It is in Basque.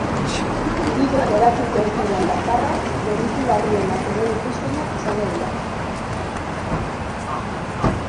Libre geratuko ez diren bakarrak delitu larrienak egin dituztenak izango dira.